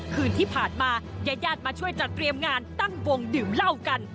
คืนที่ผ่านมาญาติญาติมาช่วยจัดเตรียมงานตั้งวงดื่มเหล้ากัน